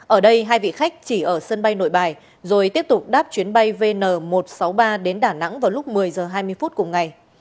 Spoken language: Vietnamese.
ở đây hai vị khách chỉ ở sân bay nội bài rồi tiếp tục đáp chuyến bay vn một trăm sáu mươi ba đến đà nẵng vào lúc một mươi h hai mươi phút cùng ngày